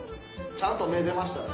ちゃんと目出ましたね。